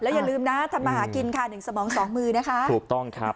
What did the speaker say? แล้วอย่าลืมนะทำหากินค่ะ๑สมอง๒มือนะคะถูกต้องครับ